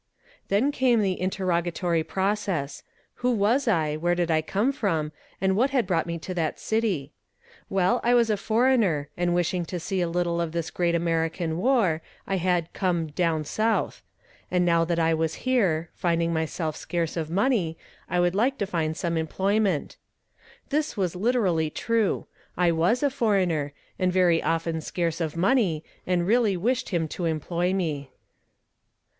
Then came the interrogatory process Who was I, where did I come from, and what had brought me to that city? Well, I was a foreigner, and wishing to see a little of this great American war, I had come "down South;" and now that I was here, finding myself scarce of money, I would like to find some employment. This was literally true. I was a foreigner, and very often scarce of money, and really wished him to employ me.